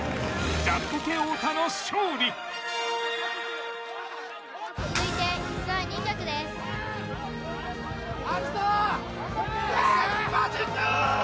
ジャンポケ太田の勝利続いてイスは２脚ですアキト！